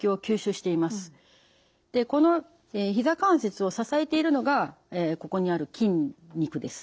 このひざ関節を支えているのがここにある筋肉です。